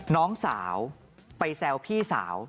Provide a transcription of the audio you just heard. น้องสาวไปแซวพี่สาว